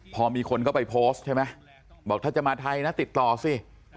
พอมีคนเข้าไปโพสต์ใช่ไหมบอกถ้าจะมาไทยนะติดต่อสิ